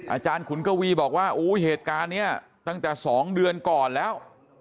ขุนกวีบอกว่าเหตุการณ์นี้ตั้งแต่๒เดือนก่อนแล้ว